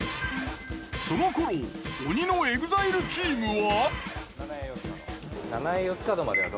その頃鬼のＥＸＩＬＥチームは。